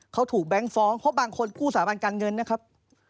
เขาถูกแบงค์ฟ้องเพราะบางคนกู้สาบันการเงินนะครับ